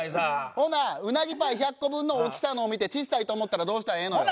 ほなうなぎパイ１００個分の大きさのを見て小さいと思ったらどうしたらええのよ？